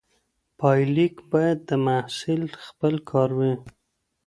پایلیک باید د محصل خپل کار وي.